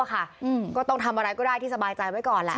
ก็ต้องทำอะไรก็ได้ที่สบายใจไว้ก่อนแหละ